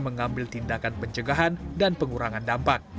mengambil tindakan pencegahan dan pengurangan dampak